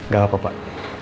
gak apa apa pak